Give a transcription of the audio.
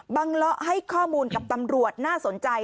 เลาะให้ข้อมูลกับตำรวจน่าสนใจ